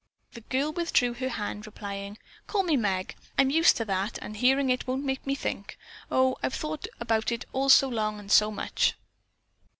The girl withdrew her hand, replying: "Call me Meg. I'm used to that and hearing it won't make me think. Oh, I've thought about it all so long and so much!"